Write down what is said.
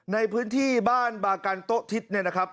ในพื้นที่บ้านบากันโต๊ะทิศเนี่ยนะครับ